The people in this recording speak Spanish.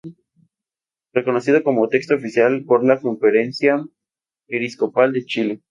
Reconocido como texto oficial por la Conferencia Episcopal de Chile.